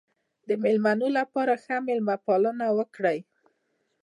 د مېلمنو لپاره ښه مېلمه پالنه وکړئ.